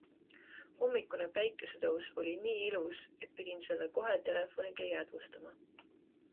Hommikune päikesetõus oli nii ilus, et pidin selle kohe telefoniga jäädvustama.